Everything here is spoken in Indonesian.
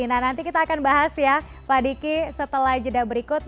nah nanti kita akan bahas ya pak diki setelah jeda berikut